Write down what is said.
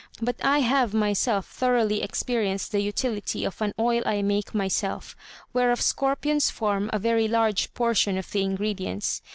But I have myself thoroughly experienced the utility of an oil I make myself, whereof scorpions form a very large portion of the ingredients.